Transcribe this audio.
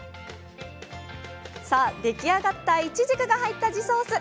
さあ出来上がったイチジクが入った地ソース。